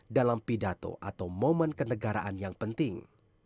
dalam pidato atau momen kenegaraan yang penting